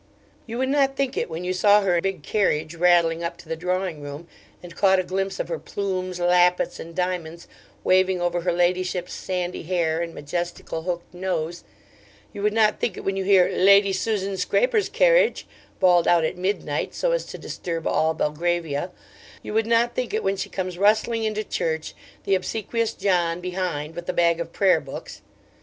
You would not think it when you saw her big carriage rattling up to the drawing room, and caught a glimpse of her plumes, lappets, and diamonds, waving over her ladyship's sandy hair and majestical hooked nose; you would not think it when you hear 'Lady Susan Scraper's carriage' bawled out at midnight so as to disturb all Belgravia: you would not think it when she comes rustling into church, the obsequious John behind with the bag of Prayer books.